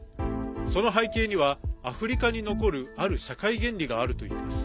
その背景にはアフリカに残るある社会原理があるといいます。